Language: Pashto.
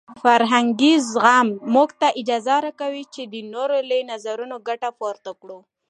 فرهنګي زغم موږ ته اجازه راکوي چې د نورو له نظرونو ګټه پورته کړو.